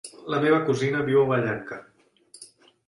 La meva cosina viu a Vallanca.